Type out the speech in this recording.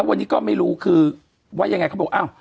วันนี้ก็ไม่รู้คือว่ายังไงเขาบอกอ้าว